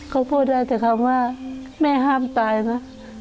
เขาพูดได้แต่คำว่าแม่ห้ามตายนะ